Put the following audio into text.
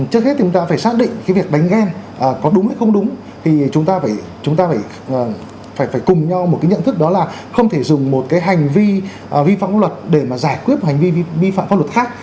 trước hết chúng ta phải xác định cái việc đánh ghem có đúng hay không đúng thì chúng ta phải cùng nhau một cái nhận thức đó là không thể dùng một cái hành vi vi phạm luật để mà giải quyết một hành vi vi phạm pháp luật khác